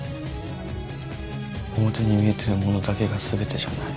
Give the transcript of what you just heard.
表に見えてるものだけが全てじゃない。